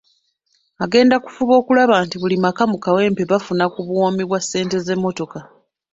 Agenda kufuba okulaba nti buli maka mu Kawempe bafuna ku buwoomi bwa ssente z’emmotoka.